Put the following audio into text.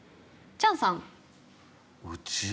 チャンさん。